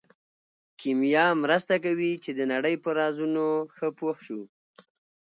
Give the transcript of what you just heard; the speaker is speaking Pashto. کیمیا مرسته کوي چې د نړۍ په رازونو ښه پوه شو.